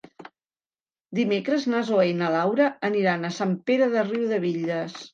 Dimecres na Zoè i na Laura aniran a Sant Pere de Riudebitlles.